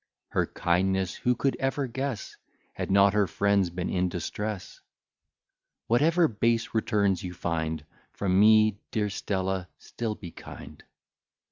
Her kindness who could ever guess, Had not her friends been in distress? Whatever base returns you find From me, dear Stella, still be kind.